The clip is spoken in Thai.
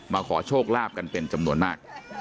ขอโชคลาภกันเป็นจำนวนมาก